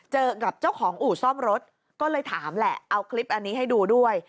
เจอกับเจ้าของอู่ซ่อมรถก็เลยถามแหละเอาคลิปอันนี้ให้ดูด้วย